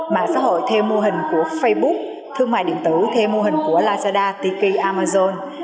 mạng xã hội thêm mô hình của facebook thương mại điện tử thêm mô hình của lazada tiki amazon